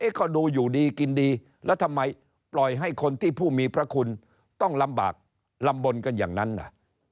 ก็ดูอยู่ดีกินดีแล้วทำไมปล่อยให้คนที่ผู้มีพระคุณต้องลำบากลำบลกันอย่างนั้นน่ะ